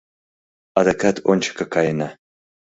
Адакат ончыко каена.